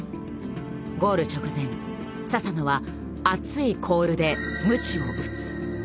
ゴール直前佐々野は「熱いコール」でムチを打つ！